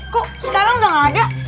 kok sekarang udah gak ada